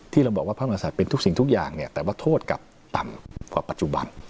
เราบอกว่าพระมหาศัตริย์เป็นทุกสิ่งทุกอย่างเนี่ยแต่ว่าโทษกลับต่ำกว่าปัจจุบัน